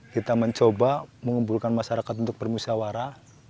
kita mencoba mengumpulkan masyarakat untuk bermusyawara